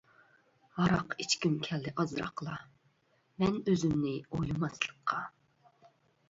ھاراق ئىچكۈم كەلدى ئازراقلا، مەن ئۆزۈمنى ئويلىماسلىققا.